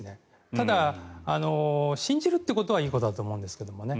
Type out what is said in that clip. ただ、信じるということはいいことだと思うんですけどね。